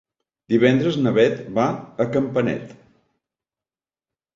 Divendres na Beth va a Campanet.